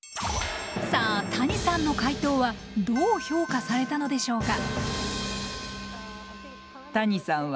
さあ谷さんの解答はどう評価されたのでしょうか？